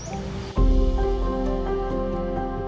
ถ้าเขาภัยก็ไม่ต้องปีนรัวหรอก